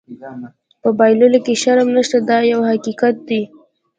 په بایللو کې شرم نشته دا یو حقیقت دی.